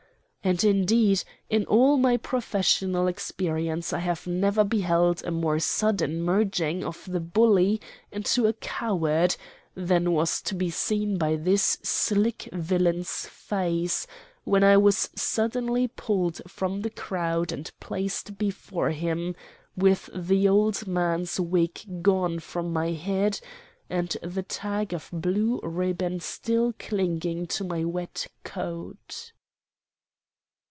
And indeed in all my professional experience I have never beheld a more sudden merging of the bully into a coward than was to be seen in this slick villain's face, when I was suddenly pulled from the crowd and placed before him, with the old man's wig gone from my head, and the tag of blue ribbon still clinging to my wet coat.